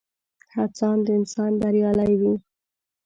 هڅاند انسان بريالی وي.